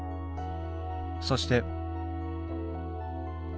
そして。